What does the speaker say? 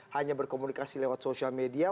hanya berkomunikasi lewat sosial media